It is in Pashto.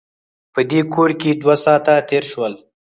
په دې کور کې دوه ساعته تېر شول.